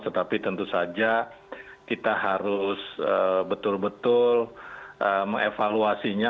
tetapi tentu saja kita harus betul betul mengevaluasinya